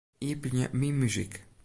Iepenje Myn muzyk.